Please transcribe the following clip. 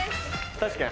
確かに。